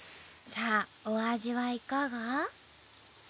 さあお味はいかが？